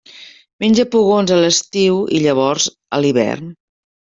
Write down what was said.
Menja pugons a l'estiu i llavors a l'hivern.